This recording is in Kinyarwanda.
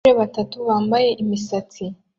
Abagore batatu bambaye imisatsi